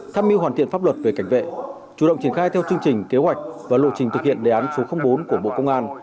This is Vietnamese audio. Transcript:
tham mưu hoàn thiện pháp luật về cảnh vệ chủ động triển khai theo chương trình kế hoạch và lộ trình thực hiện đề án số bốn của bộ công an